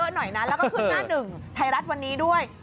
แล้วก็คือหน้าหนึ่งไทยรัฐวันนี้ด้วย